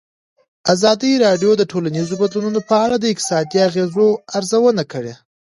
ازادي راډیو د ټولنیز بدلون په اړه د اقتصادي اغېزو ارزونه کړې.